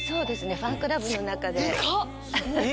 ファンクラブの中で近っ！え